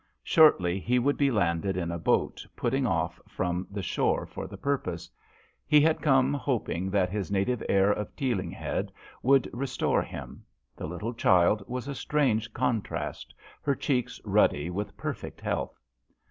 Shortly he would be landed in a boat putting off from 8 146 JOHN SHERMAN. the shore for the purpose. He had come hoping that his native air of Teeling Head would restore him. The little child was a strange contrast her cheeks ruddy with perfect health.